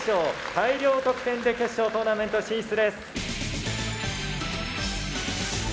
大量得点で決勝トーナメント進出です。